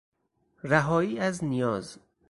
رهایی از نیاز